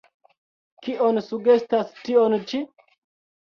Kion sugestas tio ĉi?